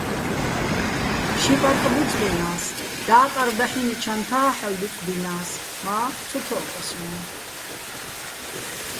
ში პარკ ბუწბინა́ს, და́ყარ დაჰ̦ინო̆ ჩანთა́ ჰ̦ალო̆ დუწდინა́ს, მა́ ცო თო́ყეჼ სო́ჼ.